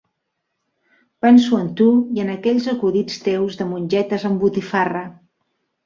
Penso en tu i en aquells acudits teus de mongetes amb botifarra.